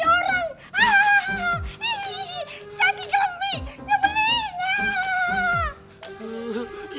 jadi kremi nyebelin